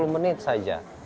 oh sepuluh menit saja